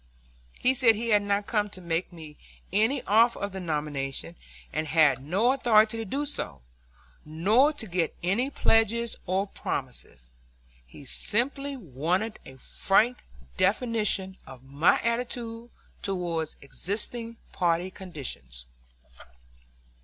He said he had not come to make me any offer of the nomination, and had no authority to do so, nor to get any pledges or promises. He simply wanted a frank definition of my attitude towards existing party conditions.